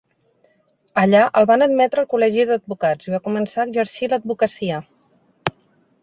Allà el van admetre al col·legi d'advocats i va començar a exercir l'advocacia.